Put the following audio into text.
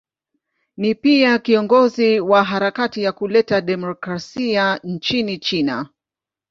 Ni pia kiongozi wa harakati ya kuleta demokrasia nchini China.